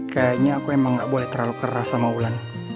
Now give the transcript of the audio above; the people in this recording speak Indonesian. kayanya aku emang gak boleh terlalu keras sama ulan